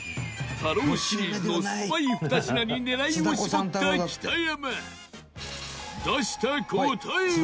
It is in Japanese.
太郎シリーズの酸っぱい２品に狙いを絞った北山出した答えは？